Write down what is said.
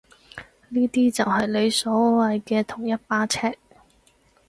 呢啲就係你所謂嘅同一把尺？